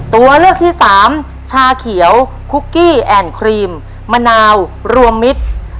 ตัวเลือกที่สามชาเขียวคุกกี้แอนด์ครีมมะนาวรวมมิตร